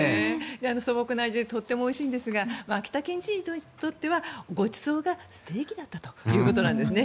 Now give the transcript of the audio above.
素朴な味でとてもおいしいんですが秋田県知事にとってはごちそうがステーキだったということなんですね。